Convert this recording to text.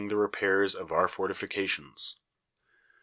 the repairs of our fortifications.